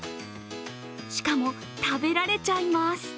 しかも、食べられちゃいます。